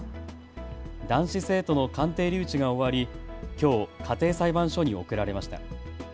男子生徒の鑑定留置が終わりきょう家庭裁判所に送られました。